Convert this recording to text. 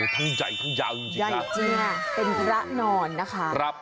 ทั้งใหญ่ทั้งยาวจริงครับเป็นพระนอนนะคะ